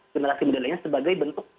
generasi muda lainnya sebagai bentuk